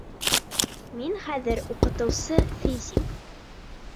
Миң хәҙер уҡытыусы-физик